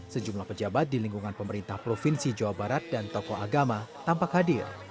sejumlah pejabat di lingkungan pemerintah provinsi jawa barat dan tokoh agama tampak hadir